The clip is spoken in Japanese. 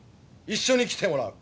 一緒に来てもらう。